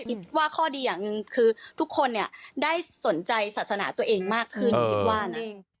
กริ๊ปว่าข้อดีอย่างนึงคือทุกคนได้สนใจศาสนาตัวเองมากขึ้น